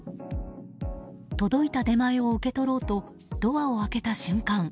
届いた出前を受け取ろうとドアを開けた瞬間